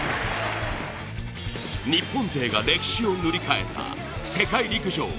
日本勢が歴史を塗り替えた世界陸上。